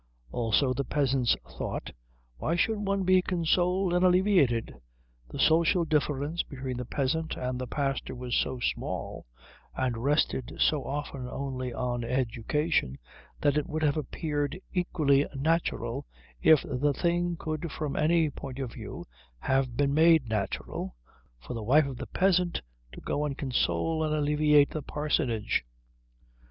Also, the peasants thought, why should one be consoled and alleviated? The social difference between the peasant and the pastor was so small and rested so often only on education that it would have appeared equally natural, if the thing could from any point of view have been made natural, for the wife of the peasant to go and console and alleviate the parsonage.